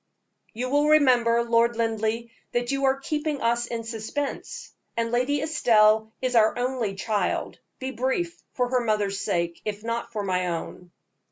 "You will remember, Lord Linleigh, that you are keeping us in suspense, and Lady Estelle is our only child. Be brief, for her mother's sake, if not for my own."